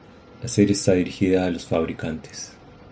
La serie está dirigida a los fabricantes.